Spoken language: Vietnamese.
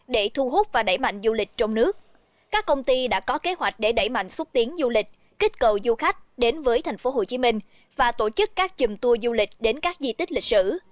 để thu hút và đẩy mạnh du lịch trong nước các công ty đã có kế hoạch để đẩy mạnh xúc tiến du lịch kích cầu du khách đến với thành phố hồ chí minh và tổ chức các dùm tour du lịch đến các di tích lịch sử